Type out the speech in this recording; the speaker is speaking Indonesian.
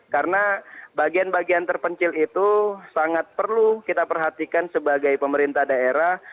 karena bagian bagian terpencil itu sangat perlu kita perhatikan sebagai pemerintah daerah